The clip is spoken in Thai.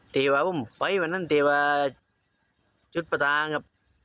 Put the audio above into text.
เดี๋ยวผมไปวันนั้นเดี๋ยวจุดประทางครับ